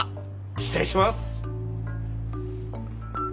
失礼します。